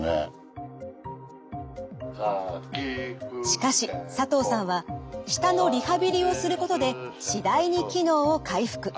しかし佐藤さんは舌のリハビリをすることで次第に機能を回復。